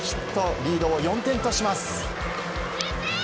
リードを４点とします。